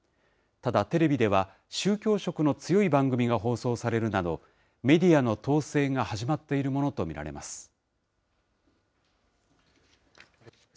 ただテレビでは、宗教色の強い番組が放送されるなど、メディアの統制が始まっているものと見られます。